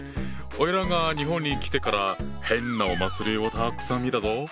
おいらが日本に来てから変なお祭りをたくさん見たぞ！